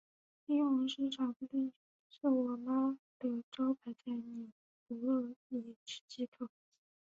西红柿炒鸡蛋是我妈的招牌菜，你不饿也吃几口。